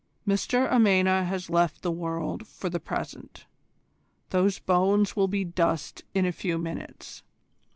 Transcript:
Mr Amena has left the world for the present. Those bones will be dust in a few minutes.